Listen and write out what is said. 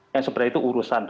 yang sebenarnya itu urusan